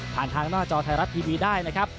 ทางหน้าจอไทยรัฐทีวีได้นะครับ